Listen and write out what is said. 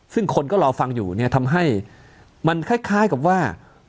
ซึ่งคนก็รอฟังอยู่เนี่ยทำให้มันคล้ายกับว่า